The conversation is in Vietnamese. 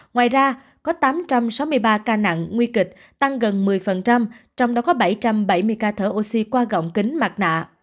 ngoài ra có tám trăm sáu mươi ba ca nặng nguy kịch tăng gần một mươi trong đó có bảy trăm bảy mươi ca thở oxy qua gọng kính mặt nạ